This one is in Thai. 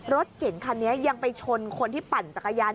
รถเก่งคันนี้ยังไปชนคนที่ปั่นจักรยาน